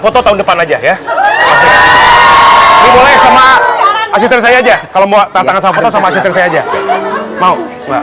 foto tahun depan aja ya boleh sama asisten saya aja kalau mau tangan sama sama saja mau